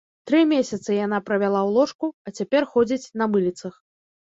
Тры месяцы яна правяла ў ложку, а цяпер ходзіць на мыліцах.